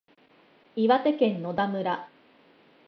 岩手県野田村